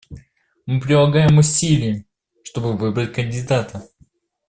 Мы прилагаем усилия, чтобы выбрать кандидата.